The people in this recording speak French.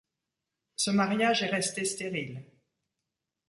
Ce mariage est resté stéril.